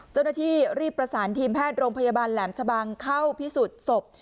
เจ้าหน้าที่รีบประสานทีมแพทย์โรงพยาบาลแหลมชะบังเข้าพิสูจน์ศพ